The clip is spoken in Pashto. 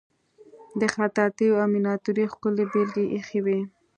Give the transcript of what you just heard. د خطاطی او میناتوری ښکلې بیلګې ایښې وې.